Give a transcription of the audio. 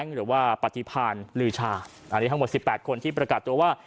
หรือว่าปฏิพาณลือชาอันนี้ทั้งหมด๑๘คนที่ประกาศตัวว่า